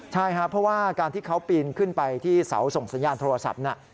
ใช่ครับเพราะว่าการที่เขาปีนขึ้นไปที่เสาส่งสัญญาณโทรศัพท์น่ะ